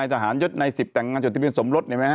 ทหารเย็ดในอเมฆแต่งงานทศวรรษที่มินทรรษเห็นไหมฮะ